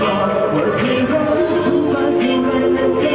ว่าเคยรักฉันมาที่แม่หน้าเธอ